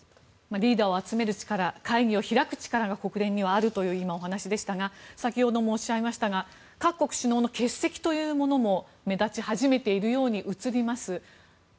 リーダーを集める力会議を開く力が国連にはあるというお話でしたが先ほどもおっしゃいましたが各国首脳の欠席というものも目立ち始めているように映ります。